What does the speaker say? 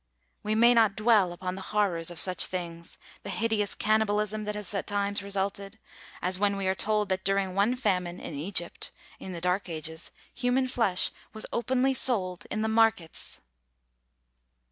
We may not dwell upon the horrors of such things the hideous cannibalism that has at times resulted; as when we are told that during one famine in Egypt, in the dark ages, human flesh was openly sold in the markets!